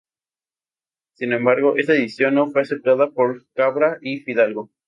Sin embargo, esta decisión no fue aceptada por Cabra y Fidalgo.